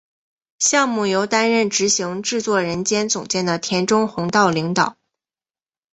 项目由担任执行制作人兼总监的田中弘道领导。